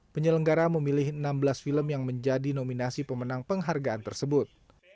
penyelenggara memilih enam belas film yang menjadi nominasi pemenang penghargaan tersebut